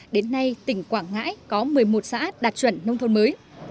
đến nay tỉnh quảng ngãi có một mươi một xã đạt chuẩn nông thôn mới